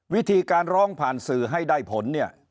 วิธีการร้องผ่านสื่อให้ได้ผลเนี่ย